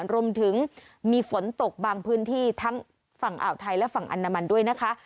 รวมถึงมีฝนตกบางพื้นที่ทั้งฝั่งอ่าวไทยและฝั่งอันดามันด้วยนะคะ